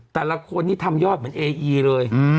แต่ละคนนี้ทำยอดเหมือนเออีเลย